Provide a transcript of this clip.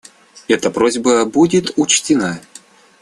Эта просьба будет учтена.